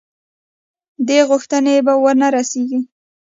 دې غوښتنې ورنه رسېږو.